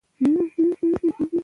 ادبیات د فرهنګ زېری لري.